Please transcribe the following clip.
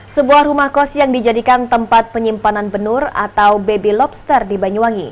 sebuah rumah kos yang dijadikan tempat penyimpanan benur atau baby lobster di banyuwangi